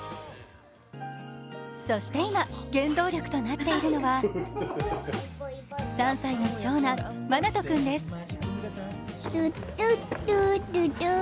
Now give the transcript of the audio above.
そして今、原動力となっているのは３歳の長男、愛士君です。